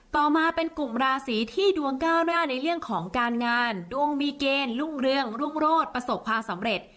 ต่อมาเป็นกลุ่มราศีที่ดวงก้าวหน้าในเรื่องของการงานดวงมีเกณฑ์รุ่งเรืองรุ่งโรศประสบความสำเร็จ